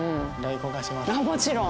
もちろん！